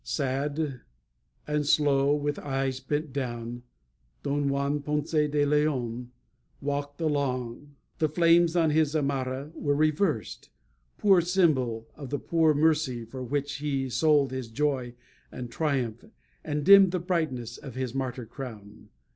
Sad and slow, with eyes bent down, Don Juan Ponce de Leon walked along. The flames on his zamarra were reversed; poor symbol of the poor mercy for which he sold his joy and triumph and dimmed the brightness of his martyr crown.